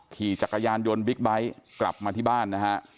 ขี่จักรยานยนต์บิ๊กไบท์กลับมาที่บ้านนะฮะ